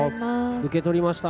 受け取りました。